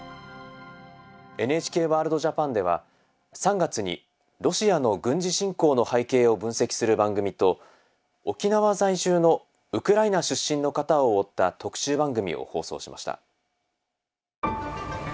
「ＮＨＫワールドＪＡＰＡＮ」では３月にロシアの軍事侵攻の背景を分析する番組と沖縄在住のウクライナ出身の方を追った特集番組を放送しました。